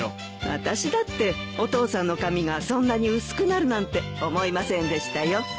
私だってお父さんの髪がそんなに薄くなるなんて思いませんでしたよ。